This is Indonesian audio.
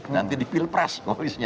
nanti di pilpres koalisnya